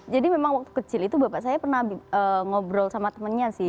jadi memang waktu kecil itu bapak saya pernah ngobrol sama temennya sih